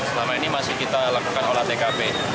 selama ini masih kita lakukan olah tkp